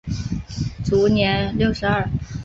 卒年六十二。